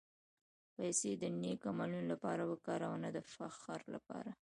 پېسې د نېک عملونو لپاره وکاروه، نه د فخر لپاره.